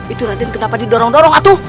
itu raden kenapa didorong dorong aduh